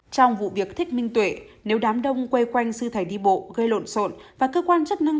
trong vụ việc thích minh tuệ nếu đám đông quây quanh sư thầy đi bộ gây lộn xộn và cơ quan chức năng